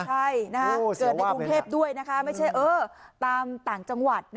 ใช่เกิดในกรุงเทพด้วยนะคะไม่ใช่ตามต่างจังหวัด